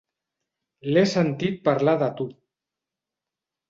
L'he sentit parlar de tu.